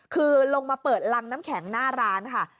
คือลงมาเปิดรังน้ำแข็งหน้าร้านค่ะ